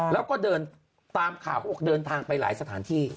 แล้วก็เดินทางไปหลายสถานที่